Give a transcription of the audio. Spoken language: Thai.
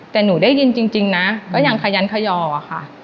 แต่หนูได้ยินจริงนะก็ยังขยันขยอค่ะ